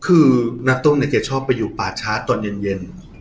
คือณตุ้มเนี่ยเคยชอบไปอยู่ป่าช้าตอนเย็นเย็น